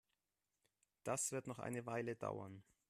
Das wird noch eine Weile dauern.